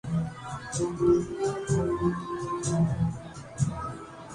امید ہے پچھلے ڈیڑھ سال میں جتنے بھی افسران نے خلاف قانون کام کیے انہیں کٹہرے میں لایا جائے گا